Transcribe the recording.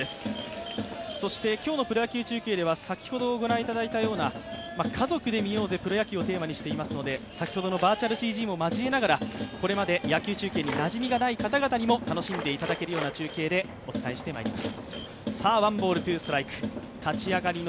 今日のプロ野球中継では先ほど御覧いただいたような「家族で観ようぜプロ野球」をテーマにしていますので先ほどのバーチャルＣＧも交えながらこれまで野球中継になじみのない方々にも楽しんでいただけるような中継でお伝えしてまいります